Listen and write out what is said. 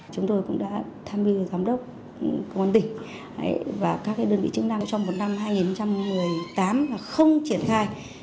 chúng tôi cũng đã tham biệt giám đốc công an tỉnh và các đơn vị chứng năng trong một năm hai nghìn một mươi tám không triển khai